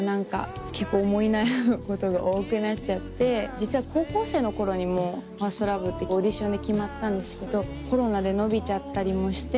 実は高校生の頃にもう『ＦｉｒｓｔＬｏｖｅ』ってオーディションで決まったんですけどコロナで延びちゃったりもして。